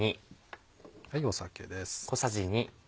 酒です。